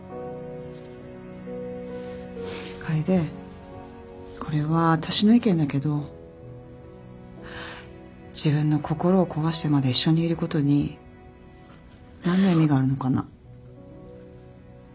楓これは私の意見だけど自分の心を壊してまで一緒にいることに何の意味があるのかな？